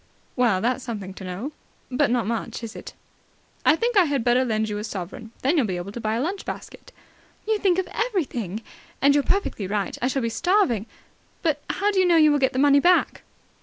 "Well, that's something to know." "But not much, is it?" "I think I had better lend you a sovereign. Then you'll be able to buy a lunch basket." "You think of everything. And you're perfectly right. I shall be starving. But how do you know you will get the money back?"